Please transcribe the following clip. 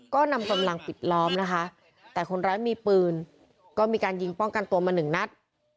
ก็นำสำลังนะฮะแต่คนร้ายมีปืนก็มีการยิงป้องกันตัวมัน๑นัท